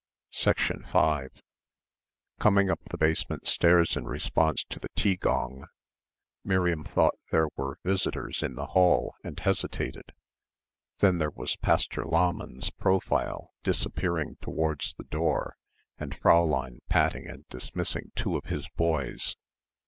5 Coming up the basement stairs in response to the tea gong, Miriam thought there were visitors in the hall and hesitated; then there was Pastor Lahmann's profile disappearing towards the door and Fräulein patting and dismissing two of his boys.